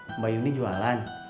mbak yuni jualan